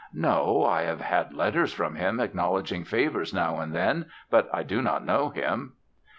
"No. I have had letters from him acknowledging favors now and then, but I do not know him."